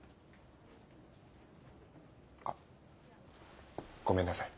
あっごめんなさい。